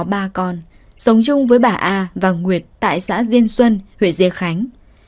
hưng và bà an sống chung với bà a và nguyệt tại xã diên xuân huệ diê khánh